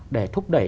để thúc đẩy